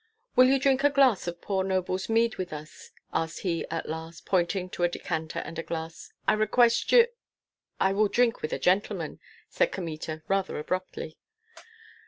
"Will you drink a glass of poor nobles' mead with us?" asked he at last, pointing to a decanter and a glass. "I request you " "I will drink with a gentleman!" said Kmita, rather abruptly.